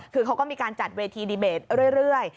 คือเขาก็มีการจัดเวทีดีเบตเรื่อย